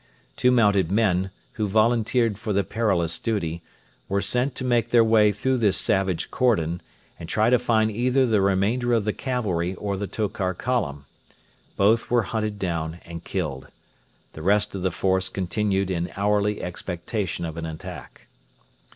Two mounted men, who volunteered for the perilous duty, were sent to make their way through this savage cordon, and try to find either the remainder of the cavalry or the Tokar Column. Both were hunted down and killed. The rest of the force continued in hourly expectation of an attack.